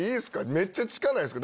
めっちゃ近ないですか？